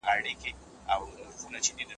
دغه کڅوڼه زما ملګري ته ډېره پکار وه.